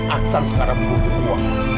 aksan sekarang butuh uang